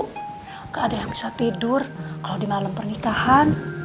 tidak ada yang bisa tidur kalau di malam pernikahan